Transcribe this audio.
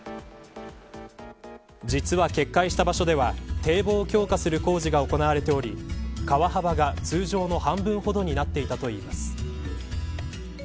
実は決壊した場所では堤防を強化する工事が行われており、川幅が通常の半分ほどになっていたといいます。